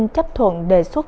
chấp thuận đề xuất